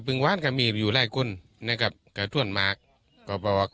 พึ่งหวานก็มีอยู่แรกคุณนะครับก็ช่วงมากก็ประวัก